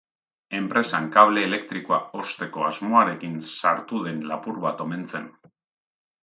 Enpresan kable elektrikoa osteko asmoarekin sartu den lapur bat omen zen.